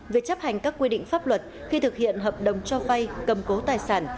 về chấp hành các quy định pháp luật khi thực hiện hợp đồng cho vay cầm cố tài sản